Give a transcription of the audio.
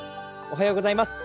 おはようございます。